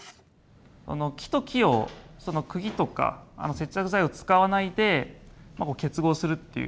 木と木をその釘とか接着剤を使わないで結合するっていう。